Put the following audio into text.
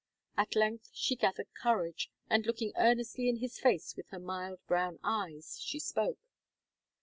At length she gathered courage, and looking earnestly in his face with her mild brown eyes, she spoke.